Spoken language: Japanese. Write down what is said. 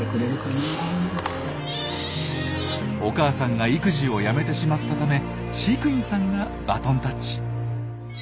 お母さんが育児をやめてしまったため飼育員さんがバトンタッチ。